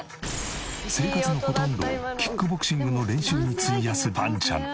生活のほとんどをキックボクシングの練習に費やすぱんちゃん。